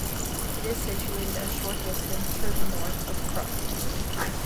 It is situated a short distance to the north of Crook.